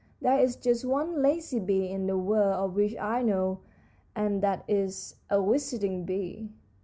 There is just one lazy bee in the world of which I know, and that is a visiting bee."